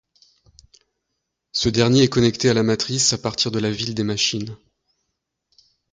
Ce dernier est connecté à la Matrice à partir de la ville des Machines.